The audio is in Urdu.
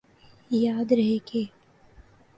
یاد رہے کہ